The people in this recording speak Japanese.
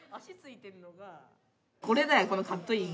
これだよこのカットイン。